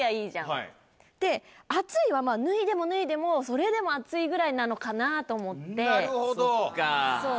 で「暑い」は脱いでも脱いでもそれでも暑いぐらいなのかなと思って。